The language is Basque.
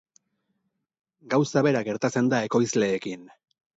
Gauza bera gertatzen da ekoizleekin.